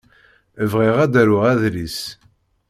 Bɣiɣ ad d-aruɣ adlis.